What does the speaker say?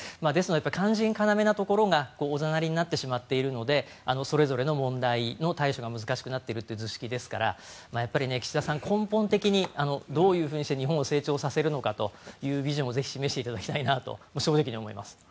肝心要なところがおざなりになってしまっているのでそれぞれの問題の対処が難しくなっているという図式ですからやっぱり岸田さん、根本的にどういうふうにして日本を成長させるのかというビジョンをぜひ示していただきたいなと正直に思います。